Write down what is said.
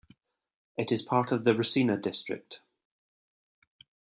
It is a part of the Rasina District.